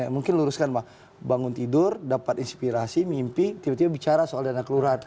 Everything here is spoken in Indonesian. mungkin luruskan mah bangun tidur dapat inspirasi mimpi tiba tiba bicara soal dana kelurahan